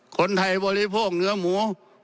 คนไทยบริโภคเนื้อหมู